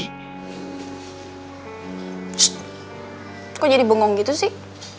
ssst kok jadi bengong gitu sih